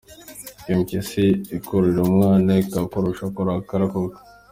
Ngo impyisi ikurira umwana ikakurusha kurakara koko!